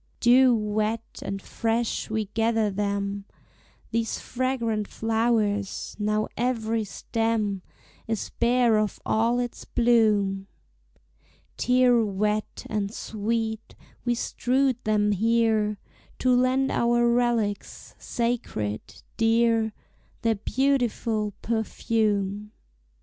Dew wet and fresh we gather them, These fragrant flowers; now every stem Is bare of all its bloom: Tear wet and sweet we strewed them here To lend our relics, sacred, dear, Their beautiful perfume.